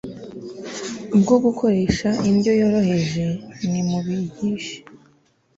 bwo gukoresha indyo yoroheje Nimubigishe